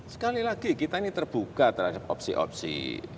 sekali lagi kita ini terbuka terhadap opsi opsi